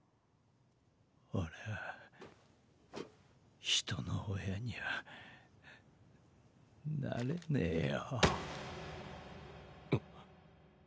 俺は人の親にはなれねぇよ。